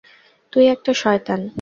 তুই একটা শয়তান!